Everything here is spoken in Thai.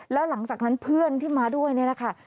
แล้วหลังจากนั้นเพื่อนที่มาด้วยนี่แหละค่ะ